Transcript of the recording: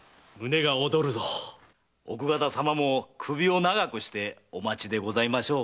奥方様も首を長くしてお待ちでございましょう。